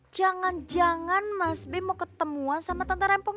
jangan jangan mas b mau ketemuan sama tante rempong